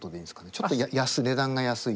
ちょっと値段が安い。